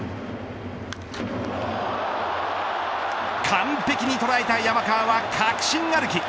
完璧に捉えた山川は確信歩き。